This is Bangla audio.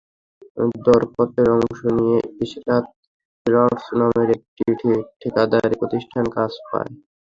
দরপত্রে অংশ নিয়ে ইশরাত বিল্ডার্স নামের একটি ঠিকাদারি প্রতিষ্ঠান কাজ পায়।